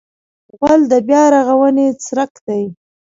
غول د بیا رغونې څرک دی.